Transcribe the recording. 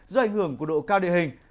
do ảnh hưởng của độ cao địa hình